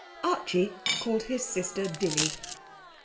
Archie called his sister Dilly.